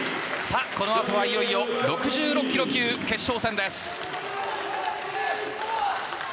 このあとはいよいよ６６ｋｇ級、決勝戦です。